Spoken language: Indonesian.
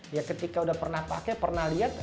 dia ketika udah pernah pakai pernah lihat